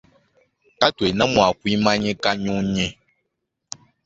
Katuena mua kuimanyika nyunyi.